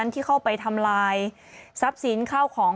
ที่เข้าไปทำลายทรัพย์สินข้าวของ